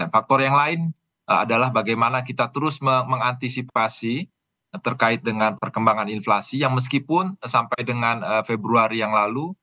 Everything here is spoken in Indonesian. faktor yang lain adalah bagaimana kita terus mengantisipasi terkait dengan perkembangan inflasi yang meskipun sampai dengan februari yang lalu